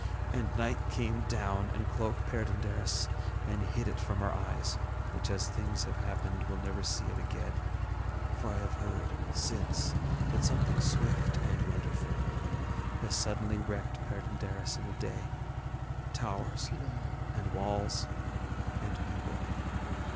And night came down and cloaked Perd├│ndaris and hid it from our eyes, which as things have happened will never see it again; for I have heard since that something swift and wonderful has suddenly wrecked Perd├│ndaris in a day towers, and walls, and people.